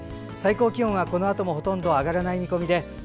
最高気温はこのあとも上がらない見込みです。